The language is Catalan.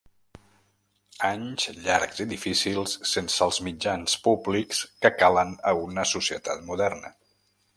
Anys llargs i difícils sense els mitjans públics que calen a una societat moderna.